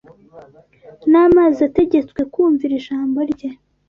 n’amazi ategetswe kumvira ijambo Rye